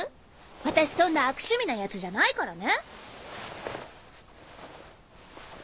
私そんな悪趣味な奴じゃないからね。